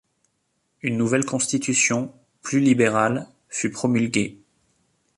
Une nouvelle constitution, plus libérale fut promulguée.